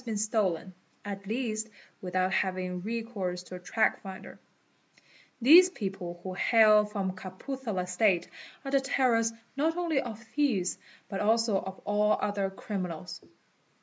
been stolen, at least without having recourse to a " track finder''. These people who hail from Kapurthala State are the terrors not only of — thieves but also of all other criminals.